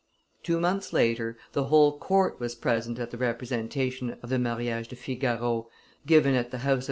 Two months later, the whole court was present at the representation of the Mariage de Figaro, given at the house of M.